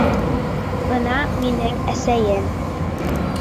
Бына минең әсәйем...